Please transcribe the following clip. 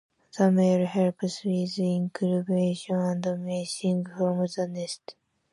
The male helps with incubation and may sing from the nest.